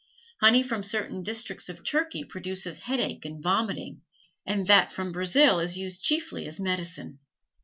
Honey from certain districts of Turkey produces headache and vomiting, and that from Brazil is used chiefly as medicine.